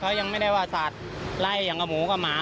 เขายังไม่ได้ว่าสัตว์ไล่อย่างกับหมูกับหมา